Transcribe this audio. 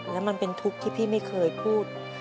แล้วมันเป็นทุกข์ที่พี่ไม่เคยพูด